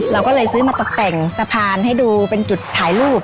เราก็เลยซื้อมาตกแต่งสะพานให้ดูเป็นจุดถ่ายรูป